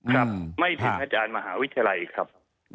ครับไม่ถึงอาจารย์มหาวิทยาลัยครับ